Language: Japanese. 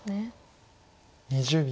２０秒。